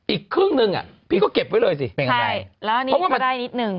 อีกครึ่งนึงอ่ะพี่ก็เก็บไว้เลยสิใช่แล้วอันนี้ก็ได้นิดนึง